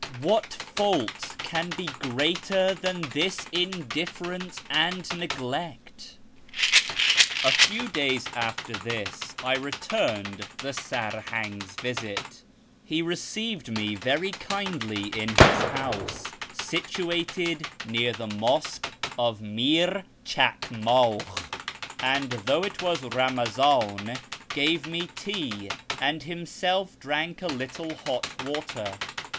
What fault can be greater than this indifference and neglect ?" A few days after this I returned the Sarhang's visit. He received me very kindly in his house, situated near the mosque of Mir Chakmakh, and, though it was Eamazan, gave me tea, and himself drank a little hot water.